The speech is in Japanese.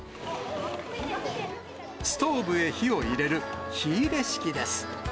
ストーブへ火を入れる火入れ式です。